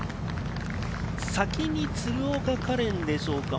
先に鶴岡果恋でしょうか？